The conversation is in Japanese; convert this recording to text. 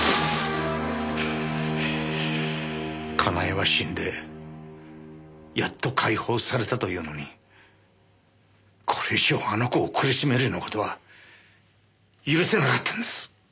佳苗は死んでやっと解放されたというのにこれ以上あの子を苦しめるような事は許せなかったんです。